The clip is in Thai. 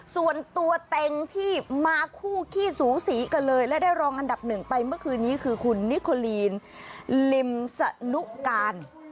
ส่วนตัวเต็งที่มาคู่ขี้สูสีกันเลยและได้รองอันดับหนึ่งไปเมื่อคืนนี้คือคุณนิโคลีนลิมสนุการ